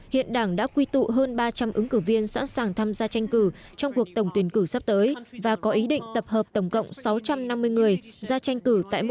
hiện đảng đã quy tụ hơn ba trăm linh ứng cử viên sẵn sàng tham gia tranh cử trong cuộc tổng tuyển cử sắp tới và có ý định tập hợp tổng cộng sáu trăm năm mươi người ra tranh cử